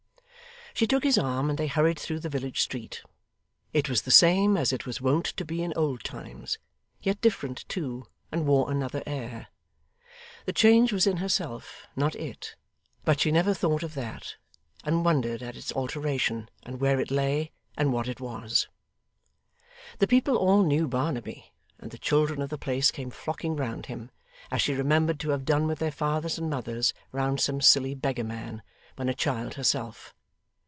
She took his arm and they hurried through the village street. It was the same as it was wont to be in old times, yet different too, and wore another air. The change was in herself, not it; but she never thought of that, and wondered at its alteration, and where it lay, and what it was. The people all knew Barnaby, and the children of the place came flocking round him as she remembered to have done with their fathers and mothers round some silly beggarman, when a child herself.